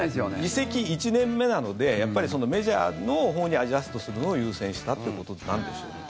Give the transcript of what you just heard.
移籍１年目なのでやっぱりメジャーのほうにアジャストするのを優先したということなんでしょうね。